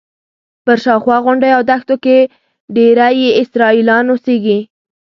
پر شاوخوا غونډیو او دښتو کې ډېری یې اسرائیلیان اوسېږي.